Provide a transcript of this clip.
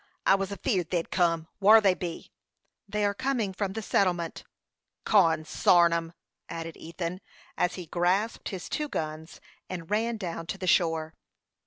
I was afeerd they'd kim. Whar be they?" "They are coming from the settlement." "Consarn 'em!" added Ethan, as he grasped his two guns, and ran down to the shore.